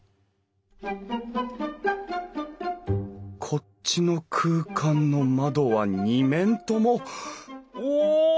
こっちの空間の窓は２面ともお！